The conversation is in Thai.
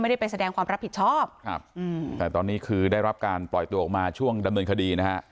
ได้ไปแสดงความรับผิดชอบครับอืมแต่ตอนนี้คือได้รับการปล่อยตัวออกมาช่วงดำเนินคดีนะฮะ